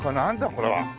これは。